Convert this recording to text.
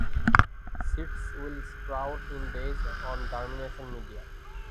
Seeds will sprout in days on germination media.